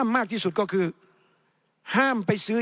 ในทางปฏิบัติมันไม่ได้